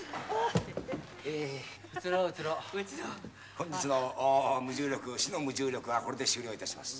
本日の無重力はこれで終了いたします。